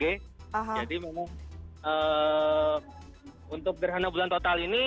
jadi untuk gerhana bulan total ini